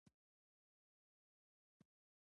د افغانستان طبیعت له خپلو ځنګلي حاصلاتو څخه جوړ شوی دی.